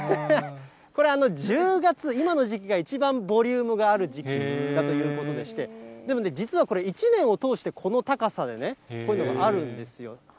これ、１０月、今の時期がイチバンボリュームがある時期だということでして、でもね、実はこれ、一年を通してこの高さでね、こういうのがあるんですよ。